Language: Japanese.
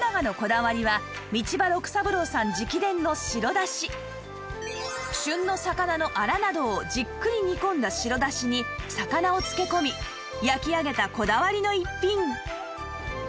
今日は旬の魚のアラなどをじっくり煮込んだ白だしに魚を漬け込み焼き上げたこだわりの逸品